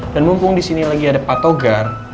dan mumpung disini lagi ada pak togar